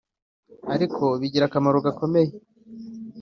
Ariko bigira akamaro gakomeye